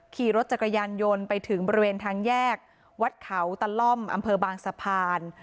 ขี่รถจักรยานยนต์ไปถึงบริเวณทางแยกวัดเขาตะล่อมอำเภอบางสะพาน